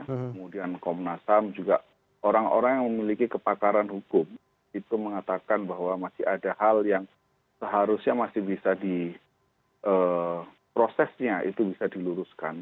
kemudian komnas ham juga orang orang yang memiliki kepakaran hukum itu mengatakan bahwa masih ada hal yang seharusnya masih bisa di prosesnya itu bisa diluruskan